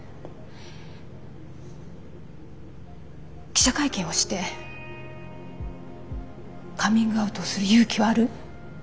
記者会見をしてカミングアウトをする勇気はある？